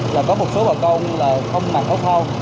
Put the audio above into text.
là có một số bà con là không mặc áo phao